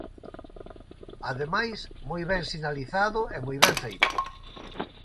Ademais, moi ben sinalizado e moi ben feito.